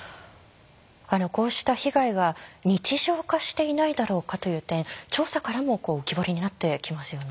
こうした被害が日常化していないだろうかという点調査からも浮き彫りになってきますよね。